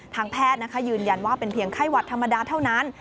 ทางแพทย์นะคะยืนยันว่าเป็นเพียงไข้หวัดธรรมดาเท่านั้น